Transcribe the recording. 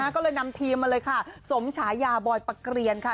ก็เลยนำทีมมาเลยค่ะสมฉายาบอยปะเกรียนค่ะ